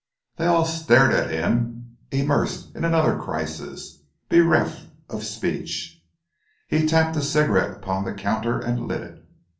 They all stared at him, immersed in another crisis, bereft of speech. He tapped a cigarette upon the counter and lit it.